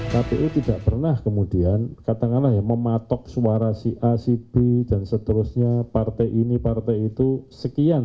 kpu tidak pernah kemudian katakanlah ya mematok suara si a si b dan seterusnya partai ini partai itu sekian